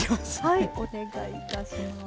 はいお願いいたします。